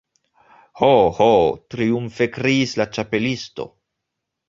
"Ho, ho!" triumfe kriis la Ĉapelisto.